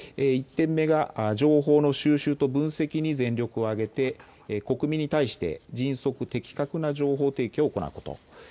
１点目が情報の収集と分析に全力を挙げて、国民に対して迅速的確な情報提供を行うこと。